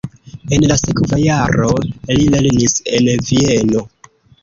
En la sekva jaro li lernis en Vieno.